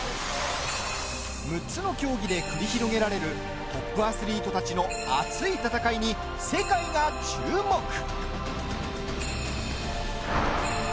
６つの競技で繰り広げられるトップアスリートたちの熱い戦いに、世界が注目。